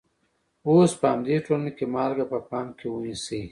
اوس په همدې ټولنه کې مالګه په پام کې ونیسئ.